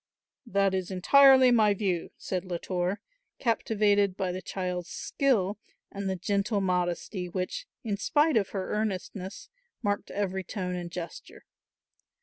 "That is entirely my view," said Latour, captivated by the child's skill and the gentle modesty which, in spite of her earnestness, marked every tone and gesture.